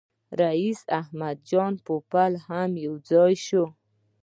رییس احمد جان پوپل هم یو ځای شو.